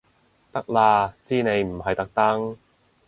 得啦知你唔係特登